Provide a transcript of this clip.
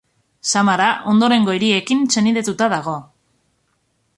Samara ondorengo hiriekin senidetuta dago.